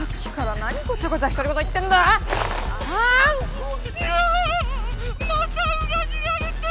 またうら切られた！